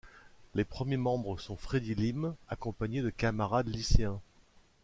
Les premiers membres sont Freddy Lim, accompagné de camarades lycéens.